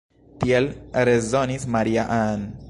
Tiel rezonis Maria-Ann.